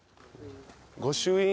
御朱印